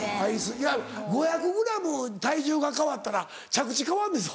いや５００ｇ体重が変わったら着地変わんねんぞ。